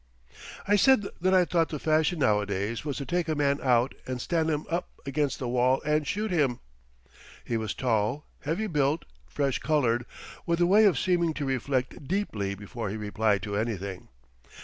I said that I thought the fashion nowadays was to take a man out and stand him up against the wall and shoot him. He was tall, heavily built, fresh colored, with a way of seeming to reflect deeply before he replied to anything.